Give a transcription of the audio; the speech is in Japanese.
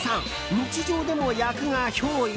日常でも役が憑依？